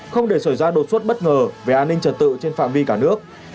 không để xảy ra đột xuất bất ngờ về an ninh trật tự trên phạm vi cả nước